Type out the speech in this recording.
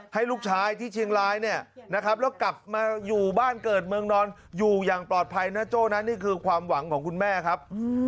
ให้ลูกชายที่เชียงรายเนี่ยนะครับแล้วกลับมาอยู่บ้านเกิดเมืองนอนอยู่อย่างปลอดภัยนะโจ้นะนี่คือความหวังของคุณแม่ครับ